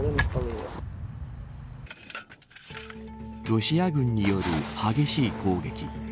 ロシア軍による激しい攻撃。